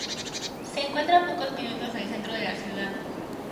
Se encuentra a pocos minutos del centro de la ciudad.